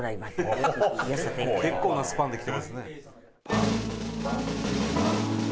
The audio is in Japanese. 結構なスパンで来てますね。